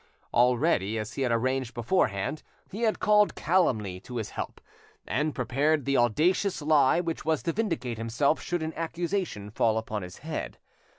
Already, as he had arranged beforehand, he had called calumny to his help, and prepared the audacious lie which was to vindicate himself should an accusation fall upon his head.